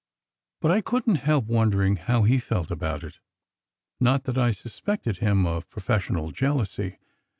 But I couldn't help wondering how he felt about it. Not that I suspected him of professional jealousy.